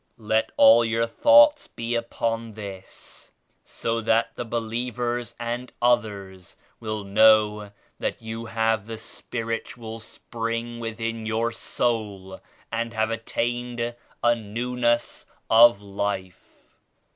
Let all your thoughts be upon this so that the believers and others will know that you have the Spiritual Spring within your soul and have attained a newness of life.